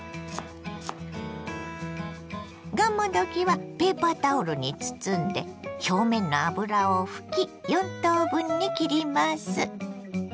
がんもどきはペーパータオルに包んで表面の油を拭き４等分に切ります。